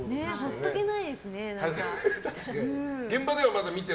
放っておけないですね。